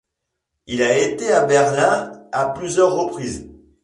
Il a été à Berlin à plusieurs reprises.